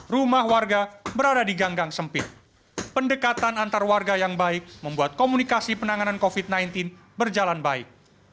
rumah warga berada di ganggang sempit pendekatan antar warga yang baik membuat komunikasi penanganan covid sembilan belas berjalan baik